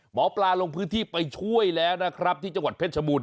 หมอปลาลงพื้นที่ไปช่วยแล้วนะครับที่จังหวัดเพชรชบูร